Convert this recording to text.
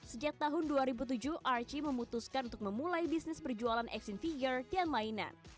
sejak tahun dua ribu tujuh archie memutuskan untuk memulai bisnis perjualan action figure dan mainan